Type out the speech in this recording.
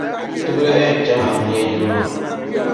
Ti bi lahi yεn chaŋ amiliya yili maa.